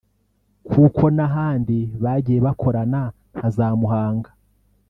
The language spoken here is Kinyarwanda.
kuko n’ahandi bagiye bakorana nka za Muhanga